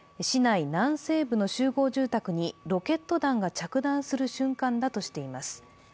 市内南西部の集合住宅にロケット弾が着弾する瞬間だとしています。